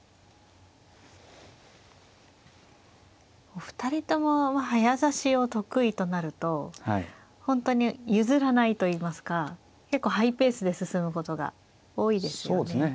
お二人とも早指しを得意となると本当に譲らないといいますか結構ハイペースで進むことが多いですよね。